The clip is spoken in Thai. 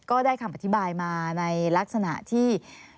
ก็ได้คำอธิบายมาในลักษณะที่